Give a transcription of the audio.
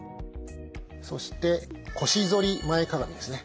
そして腰反り前かがみですね。